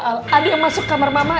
ada yang masuk kamar mama